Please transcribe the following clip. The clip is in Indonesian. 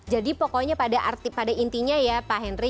jadi pokoknya pada intinya ya pak henry